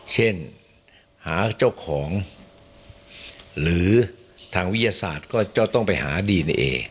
เช่นหาเจ้าของหรือทางวิทยาศาสตร์ก็จะต้องไปหาดีเนเอ